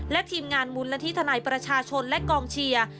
และทีมงานมูลนิธิทนายประชาชนและกองเชียร์